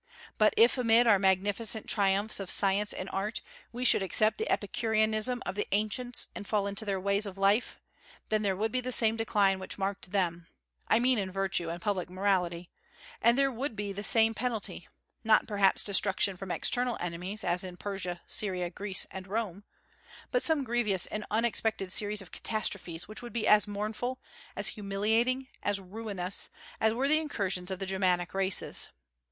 But if amid our magnificent triumphs of science and art, we should accept the Epicureanism of the ancients and fall into their ways of life, then there would be the same decline which marked them, I mean in virtue and public morality, and there would be the same penalty; not perhaps destruction from external enemies, as in Persia, Syria, Greece, and Rome, but some grievous and unexpected series of catastrophes which would be as mournful, as humiliating, as ruinous, as were the incursions of the Germanic races.